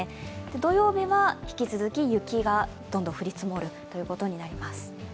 土曜日は引き続き雪がどんどん降り積もるということになります。